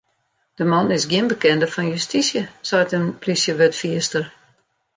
De man is gjin bekende fan justysje, seit in plysjewurdfierster.